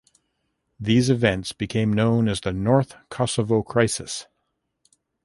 These events became known as the North Kosovo crisis.